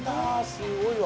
すごいわ。